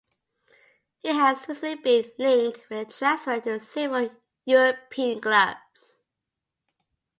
He has recently been linked with a transfer to several European clubs.